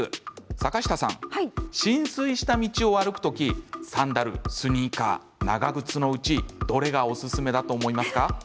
坂下さん、浸水した道を歩く時サンダル、スニーカー長靴のうちどれがおすすめだと思いますか？